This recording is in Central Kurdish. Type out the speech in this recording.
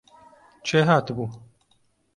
کێ هاتبوو؟